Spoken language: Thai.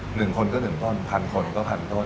หนึ่งคนก็หนึ่งต้นพันคนก็พันต้น